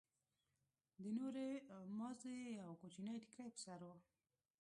د نورو مازې يو کوچنى ټيکرى پر سر و.